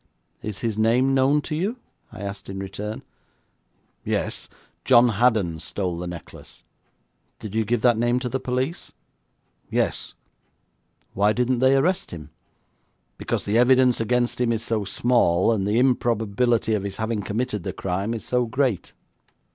'Is his name known to you?' I asked in return. 'Yes. John Haddon stole the necklace.' 'Did you give that name to the police?' 'Yes.' 'Why didn't they arrest him?' 'Because the evidence against him is so small, and the improbability of his having committed the crime is so great.'